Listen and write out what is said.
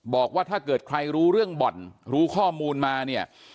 บอกว่าถ้าเกิดใครรู้เรื่องบ่อนรู้ข้อมูลมาเนี่ย